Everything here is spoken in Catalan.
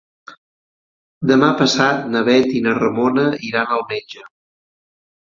Demà passat na Bet i na Ramona iran al metge.